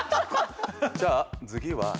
じゃあ次は。